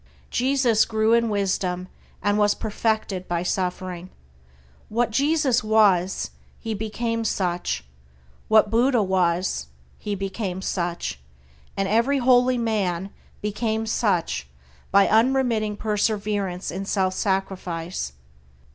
Jesus "grew in wisdom" and was "perfected by suffering." What Jesus was, he became such; what Buddha was, he became such; and every holy man became such by unremitting perseverance in self sacrifice.